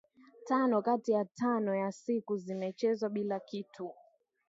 tano kati ya tano ya siku zimechezwa bila kitu